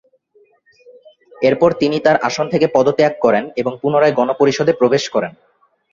এরপর তিনি তাঁর আসন থেকে পদত্যাগ করেন এবং পুনরায় গণপরিষদে প্রবেশ করেন।